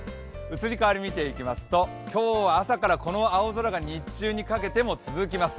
移り変わり見ていきますと、今日は朝からこの青空が日中にかけても続きます。